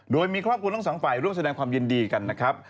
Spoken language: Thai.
โดยมีครอบครัวทั้งสองฝ่ายร่วมแสดงความยินดีกันนะครับ